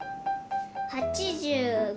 ８５！